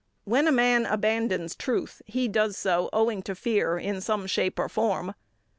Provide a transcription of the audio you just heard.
When a man abandons truth, he does so owing to fear in some shape or form.